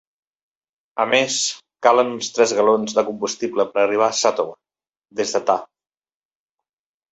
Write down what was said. A més, calen un tres galons de combustible per arribar a Satowan des de Ta.